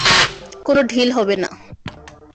কোনো ডিল হবে না।